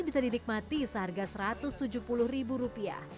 bisa didikmati seharga satu ratus tujuh puluh ribu rupiah